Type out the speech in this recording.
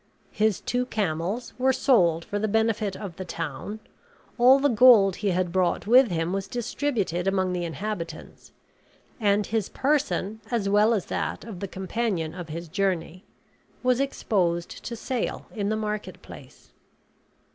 His two camels were sold for the benefit of the town; all the gold he had brought with him was distributed among the inhabitants; and his person, as well as that of the companion of his journey, was exposed to sale in the marketplace.